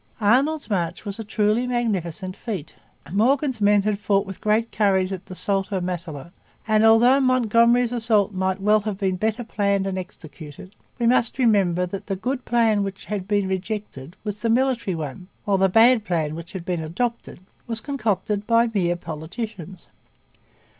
Arnold's march was a truly magnificent feat. Morgan's men had fought with great courage at the Sault au Matelot. And though Montgomery's assault might well have been better planned and executed, we must remember that the good plan, which had been rejected, was the military one, while the bad plan, which had been adopted, was concocted by mere politicians.